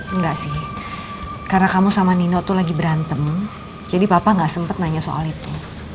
enggak sih karena kamu sama nino tuh lagi berantem jadi papa nggak sempat nanya soal itu